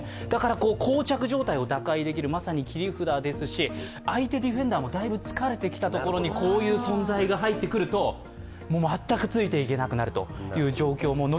だから、こう着状態を打開できる、まさに切り札ですし、相手ディフェンダーもだいぶ疲れたころにこういう存在が入ってくると全くついてこれなくなるという状況も。